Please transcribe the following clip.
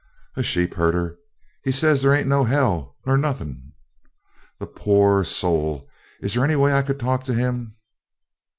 "A sheepherder. He says they ain't no hell nor nothin'." "The po oo or soul! Is there any way I could talk to him?"